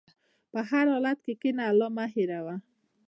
په هر حالت کښېنه، الله مه هېروه.